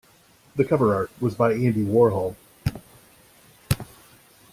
The cover art was by Andy Warhol.